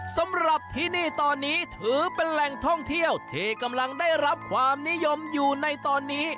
สำหรับที่นี่ตอนนี้ถือเป็นแหล่งท่องเที่ยวที่กำลังได้รับความนิยมอยู่ในตอนนี้